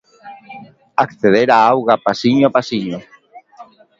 Acceder á auga pasiño a pasiño.